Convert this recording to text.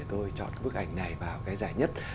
để tôi chọn bức ảnh này vào cái dài nhất